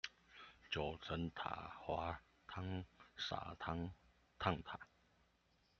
九層塔滑湯灑湯燙塔